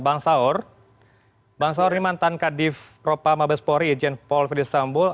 bang saur bang saur ini mantan kadif propa mabespori ejen paul ferdisambo